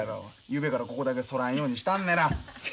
ゆうべからここだけそらんようにしたんねら。